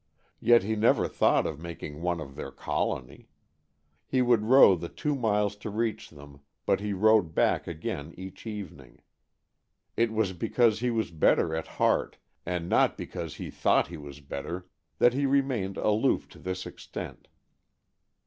Yet he never thought of making one of their colony. He would row the two miles to reach them, but he rowed back again each evening. It was because he was better at heart, and not because he thought he was better, that he remained aloof to this extent.